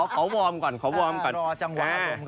ขอวอร์มก่อนขอวอร์มก่อน